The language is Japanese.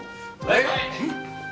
はい！